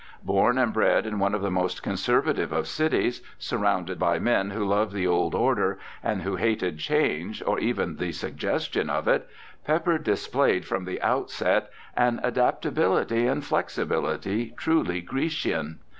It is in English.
Born and bred in one of the most conservative of cities, sur rounded by men who loved the old order, and who hated change, or even the suggestion of it. Pepper displayed from the outset an adaptability and flexibility truly Grecian.